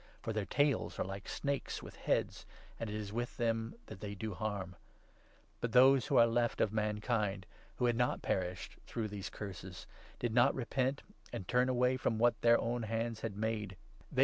For their tails are like snakes, with heads, and it is with them that they do harm. But those who were left of mankind, 20 who had not perished through these Curses, did not repent and turn away from what their own hands had made ; they would 3 —* Exod.